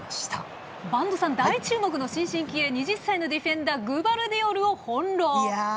播戸さん、大注目の新進気鋭２０歳のディフェンダーグバルディオルを翻弄。